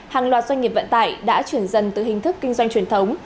hàng loạt doanh nghiệp vận tải đã chuyển dần từ hình thức kinh doanh truyền thống